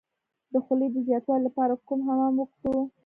د خولې د زیاتوالي لپاره کوم حمام وکړم؟